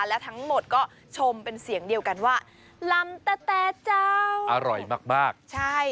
และทั้งหมดก็ชมเป็นเสียงเดียวกันว่าลำแต่แต่เจ้าอร่อยมากมากใช่